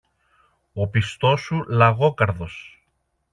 Ο πιστός σου Λαγόκαρδος